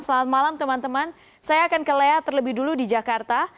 selamat malam teman teman saya akan ke lea terlebih dulu di jakarta